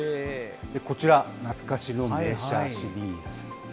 こちら、懐かしの名車シリーズ。